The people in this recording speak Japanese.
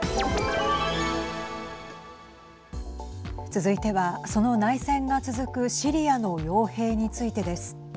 続いては、その内戦が続くシリアのよう兵についてです。